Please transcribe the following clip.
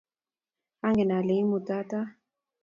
Angen ale imutata